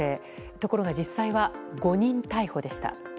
ところが実際は誤認逮捕でした。